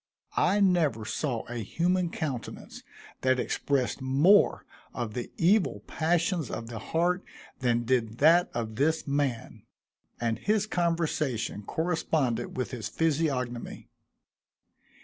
I never saw a human countenance that expressed more of the evil passions of the heart than did that of this man, and his conversation corresponded with his physiognomy.